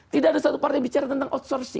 tidak ada satu partai bicara tentang outsourcing